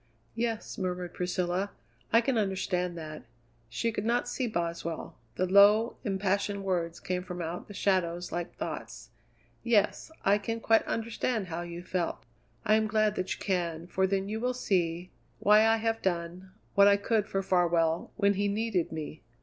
"Yes," murmured Priscilla, "I can understand that." She could not see Boswell; the low, impassioned words came from out the shadows like thoughts. "Yes, I can quite understand how you felt." "I am glad that you can, for then you will see why I have done what I could for Farwell when he needed me.